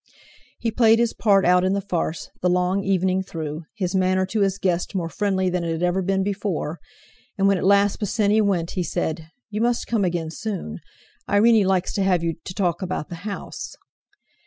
He played his part out in the farce, the long evening through—his manner to his guest more friendly than it had ever been before; and when at last Bosinney went, he said: "You must come again soon; Irene likes to have you to talk about the house!"